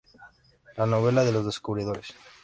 La novela de los descubridores'.